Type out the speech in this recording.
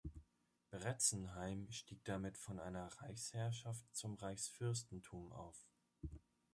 Bretzenheim stieg damit von einer Reichsherrschaft zum Reichsfürstentum auf.